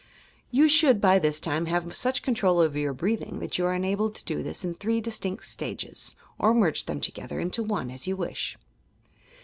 You should, by this time, have such control over your breathing that you are enabled to do this in three distinct stages, or merge them together into one, as you wish.